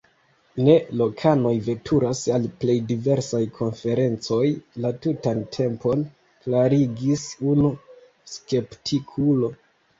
Ne, lokanoj veturas al plej diversaj konferencoj la tutan tempon, klarigis unu skeptikulo.